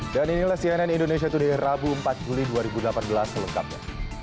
dan inilah cnn indonesia today rabu empat juli dua ribu delapan belas selengkapnya